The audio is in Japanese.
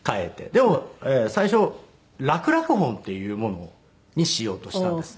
でも最初らくらくホンっていうものにしようとしたんです